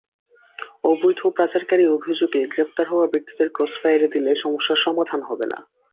অবৈধ পাচারকারী অভিযোগে গ্রেপ্তার হওয়া ব্যক্তিদের ক্রসফায়ারে দিলে সমস্যার সমাধান হবে না।